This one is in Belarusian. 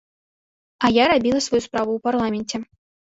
А я рабіла сваю справу ў парламенце.